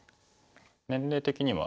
年齢的には？